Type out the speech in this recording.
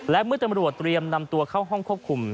และเมื่อตำรวจเตรียมนำตัวเข้าห้องควบคุม